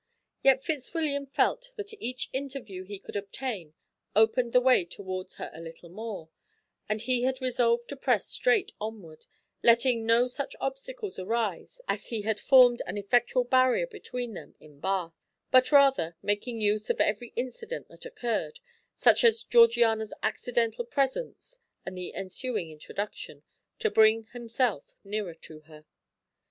Yet Fitzwilliam felt that each interview he could obtain opened the way towards her a little more, and he had resolved to press straight onward, letting no such obstacles arise as he had formed an effectual barrier between them in Bath, but, rather, making use of every incident that occurred, such as Georgiana's accidental presence and the ensuing introduction, to bring himself nearer to her.